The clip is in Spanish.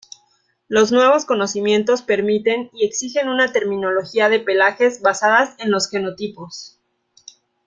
Los nuevos conocimientos permiten y exigen una terminología de pelajes basada en los genotipos.